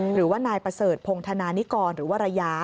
หรือว่านายประเสริฐพงธนานิกรหรือว่าระยา